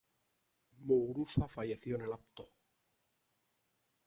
Muguruza falleció en el acto.